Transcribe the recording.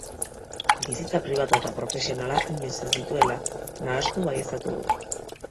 Bizitza pribatua eta profesionala inoiz ez dituela nahastu baieztatu du.